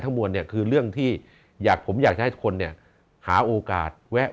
มวลเนี่ยคือเรื่องที่อยากผมอยากจะให้ทุกคนเนี่ยหาโอกาสแวะ